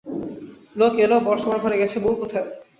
লোক এল– বর শোবার ঘরে গেছে, বউ কোথায়?